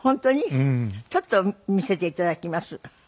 ちょっと見せて頂きます。